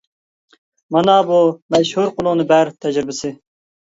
مانا بۇ مەشھۇر «قولۇڭنى بەر» تەجرىبىسى.